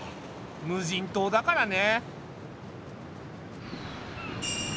無人島だからね。